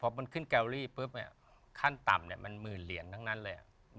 พอมันขึ้นแกวรี่ปุ๊บขั้นต่ำมันหมื่นเหรียญทั้งนั้นเลย